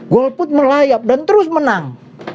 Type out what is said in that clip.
golput melayap dan terus menang